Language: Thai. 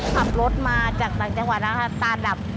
ขับรถมาจากต่างจังหวะนะครับตาดับ